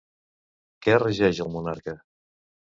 Què regeix el monarca?